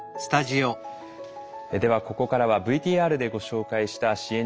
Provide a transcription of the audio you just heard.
ではここからはＶＴＲでご紹介した支援